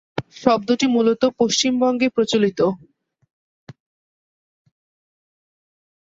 শব্দটি মূলত পশ্চিমবঙ্গে প্রচলিত।